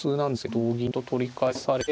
同銀と取り返されて。